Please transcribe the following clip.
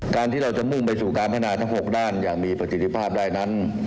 การที่เราจะมุ่งไปสู่การพัฒนาทั้ง๖ด้านอย่างมีประสิทธิภาพได้นั้น